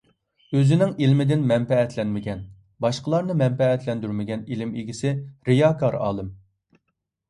ئۆزىنىڭ ئىلمىدىن مەنپەئەتلەنمىگەن، باشقىلارنى مەنپەئەتلەندۈرمىگەن ئىلىم ئىگىسى رىياكار ئالىم.